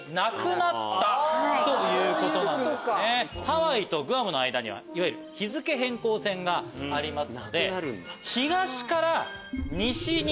ハワイとグアムの間には日付変更線があります。